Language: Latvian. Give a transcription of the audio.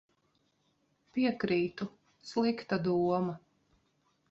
Piekrītu. Slikta doma.